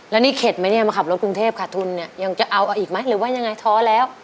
แล้วนี่เข็ดไหมมาขับรถกรุงเทพฯขาดทุนยังจะเอาอีกไหมหรือว่ายังไงท้อแล้ว